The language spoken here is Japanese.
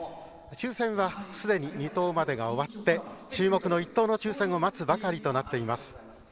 抽せんはすでに２等までが終わって注目の１等の抽せんを待つばかりになっています。